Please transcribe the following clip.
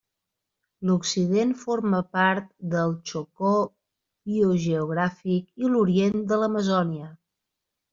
L'occident forma part del Chocó biogeogràfic i l'orient de l'Amazònia.